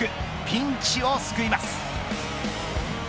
ピンチを救います。